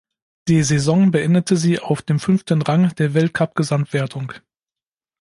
Die Saison beendete sie auf dem fünften Rang der Weltcup-Gesamtwertung.